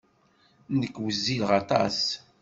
Nekk wezzileɣ aṭas.